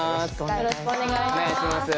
よろしくお願いします。